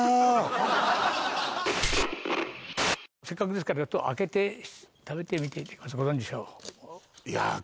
せっかくですから開けて食べてみていや